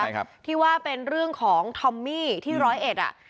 ใช่ครับที่ว่าเป็นเรื่องของทอมมี่ที่ร้อยเอ็ดอ่ะ